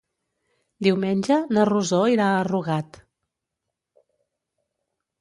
Diumenge na Rosó irà a Rugat.